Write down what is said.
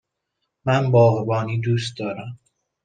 من باغبانی دوست دارم.